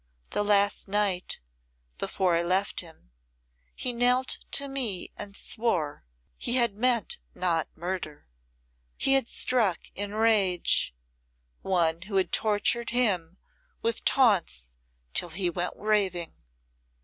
The last night before I left him he knelt to me and swore he had meant not murder. He had struck in rage one who had tortured him with taunts till he went raving.